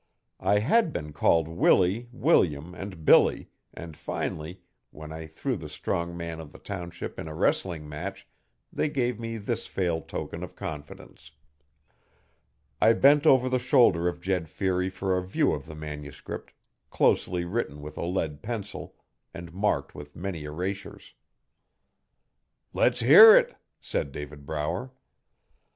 I had been called Willie, William and Billy, and finally, when I threw the strong man of the township in a wrestling match they gave me this full token of confidence. I bent over the shoulder of Jed Feary for a view of the manuscript, closely written with a lead pencil, and marked with many erasures. 'Le's hear it,' said David Brower.